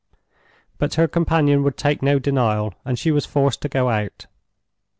But her companion would take no denial, and she was forced to go out.